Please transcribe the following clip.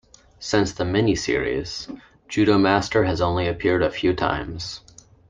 Since the mini-series, Judomaster has only appeared a few times.